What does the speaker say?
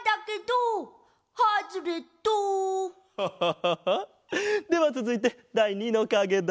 ハハハハではつづいてだい２のかげだ。